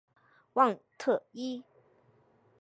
旺特伊。